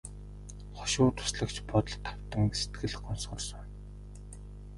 Хошуу туслагч бодолд автан сэтгэл гонсгор сууна.